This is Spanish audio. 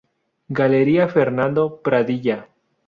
Galería Fernando Pradilla.